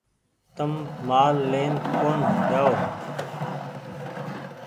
تم مآل لين ڪون جآئو